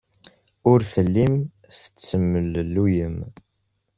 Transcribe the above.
Ur tellim tettemlelluyem.